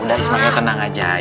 udah ismail tenang aja